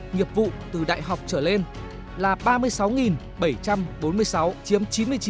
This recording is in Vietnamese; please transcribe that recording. nghiệp vụ từ đại học trở lên là ba mươi sáu bảy trăm bốn mươi sáu chiếm chín mươi chín